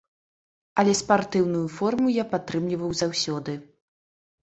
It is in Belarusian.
Але спартыўную форму я падтрымліваў заўсёды.